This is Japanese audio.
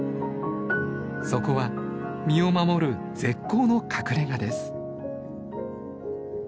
そこは身を守る絶好の隠れがです。